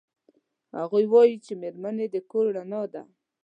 هغوی وایي چې میرمنې د کور رڼا ده